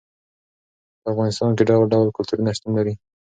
په افغانستان کې ډول ډول کلتورونه شتون لري.